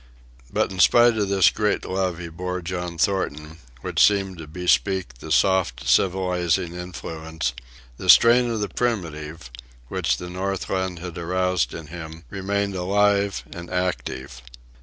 But in spite of this great love he bore John Thornton, which seemed to bespeak the soft civilizing influence, the strain of the primitive, which the Northland had aroused in him, remained alive and active.